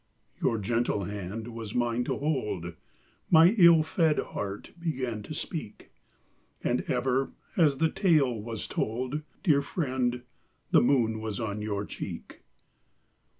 Your gentle hand was mine to hold : My ill fed heart began to speak ; And ever, as the tale was told, Dear friend, the moon was on your cheek.